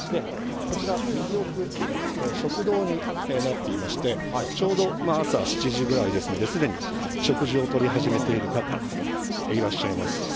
こちら、右奥、食堂になっていまして、ちょうど朝７時ぐらいですので、すでに食事をとり始めている方、いらっしゃいます。